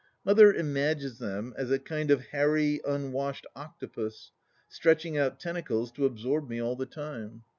Mother imagines them as a kind of hairy, unwashed octopus, stretching out tentacles to absorb me all the time.